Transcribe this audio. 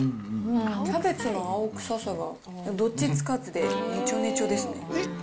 キャベツの青臭さが、どっちつかずでねちょねちょですね。